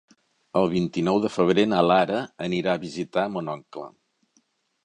El vint-i-nou de febrer na Lara anirà a visitar mon oncle.